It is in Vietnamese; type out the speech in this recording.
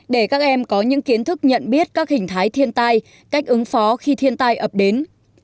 để các em có những kiến thức nhận biết các hình thái thiên tai cách ứng phó khi thiên tai ập đến